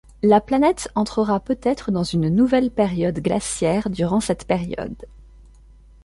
La planète entrera peut-être dans une nouvelle période glaciaire durant cette période.